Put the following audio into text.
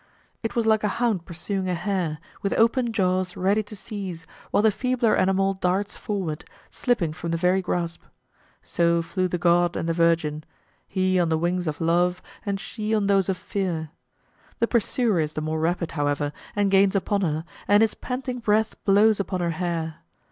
It was like a hound pursuing a hare, with open jaws ready to seize, while the feebler animal darts forward, slipping from the very grasp. So flew the god and the virgin he on the wings of love, and she on those of fear. The pursuer is the more rapid, however, and gains upon her, and his panting breath blows upon her hair.